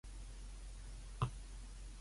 等呀等！